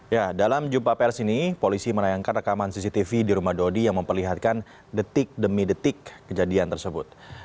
ya dalam jumpa pers ini polisi menayangkan rekaman cctv di rumah dodi yang memperlihatkan detik demi detik kejadian tersebut